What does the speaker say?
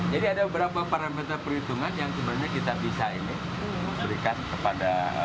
jadi ada beberapa parameter perhitungan yang sebenarnya kita bisa ini berikan kepada